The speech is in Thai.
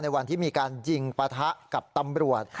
วันที่มีการยิงปะทะกับตำรวจ